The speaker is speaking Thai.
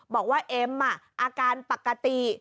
บอกว่าเอ็มอาการปกติ